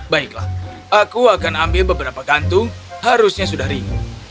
baiklah aku akan ambil beberapa kantung harusnya sudah ringu